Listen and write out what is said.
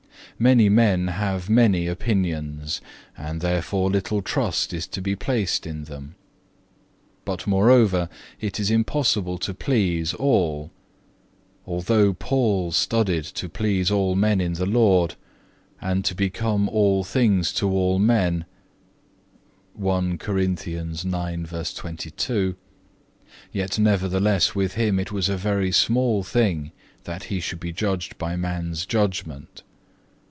Many men have many opinions, and therefore little trust is to be placed in them. But moreover it is impossible to please all. Although Paul studied to please all men in the Lord, and to become all things to all men,(1) yet nevertheless with him it was a very small thing that he should be judged by man's judgment."